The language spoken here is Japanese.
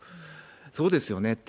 そうですよねって。